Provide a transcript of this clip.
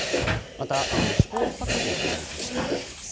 また、試行錯誤している自治体もあります。